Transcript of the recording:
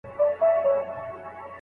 هغه ښکلي الفاظ او کلمات چي